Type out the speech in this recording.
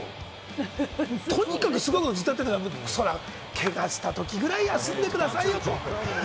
とにかくすごいことだから、けがしたときぐらい休んでくださいよ。